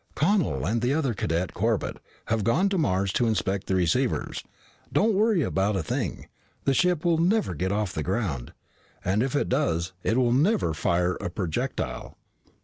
"Connel and the other cadet, Corbett, have gone to Mars to inspect the receivers. Don't worry about a thing. This ship will never get off the ground. And if it does, it will never fire a projectile."